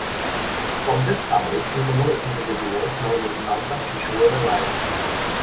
From this family came another individual known as Nanda Kishore Rai.